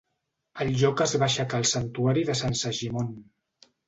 Al lloc es va aixecar el Santuari de Sant Segimon.